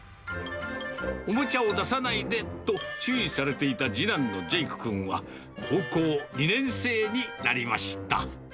おもちゃを出さないでと、注意されていた次男のジェイク君は、高校２年生になりました。